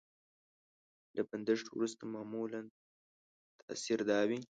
له بندښت وروسته معمولا تاثر دا وي.